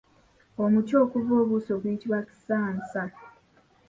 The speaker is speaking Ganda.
Omuti okuva obuso guyitibwa Kisaansa.